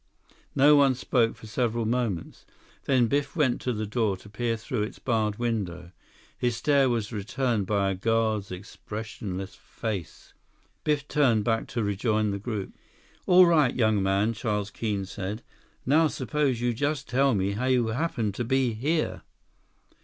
No one spoke for several moments. Then Biff went to the door to peer through its barred window. His stare was returned by a guard's expressionless face. Biff turned back to rejoin the group. "All right, young man," Charles Keene said. "Now suppose you just tell me how you happen to be here."